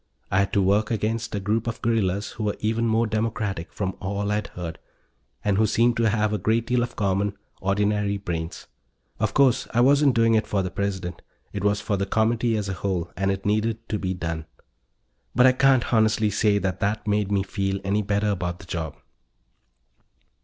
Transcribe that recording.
I had to work against a group of guerrillas who were even more democratic, from all I'd heard, and who seemed to have a great deal of common, ordinary brains. Of course, I wasn't doing it for the President it was for the Comity as a whole, and it needed to be done. But I can't honestly say that that made me feel any better about the job.